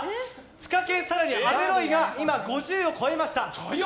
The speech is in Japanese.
ツカケン、阿部ロイが５０を超えました。